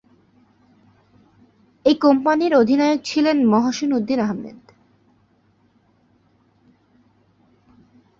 এই কোম্পানির অধিনায়ক ছিলেন মহসীন উদ্দীন আহমেদ।